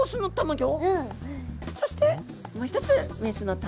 そしてもう一つ雌の卵。